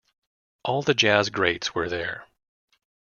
All the jazz greats were there.